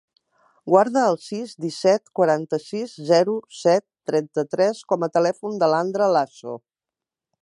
Guarda el sis, disset, quaranta-sis, zero, set, trenta-tres com a telèfon de l'Andra Lasso.